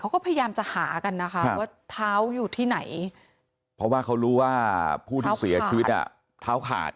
พยายามจะหากันนะคะว่าเท้าอยู่ที่ไหนเพราะว่าเขารู้ว่าผู้ที่เสียชีวิตอ่ะเท้าขาด